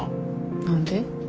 何で？